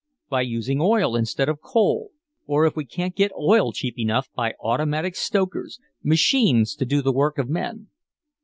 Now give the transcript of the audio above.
"By using oil instead of coal. Or if we can't get oil cheap enough by automatic stokers machines to do the work of men."